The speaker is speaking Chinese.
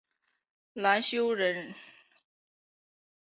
张懋修人。